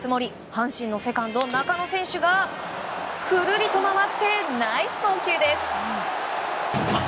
阪神のセカンド、中野選手がくるりと回ってナイス送球です。